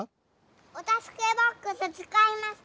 おたすけボックスつかいますか？